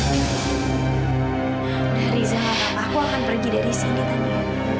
udah riza gak apa apa aku akan pergi dari sini tania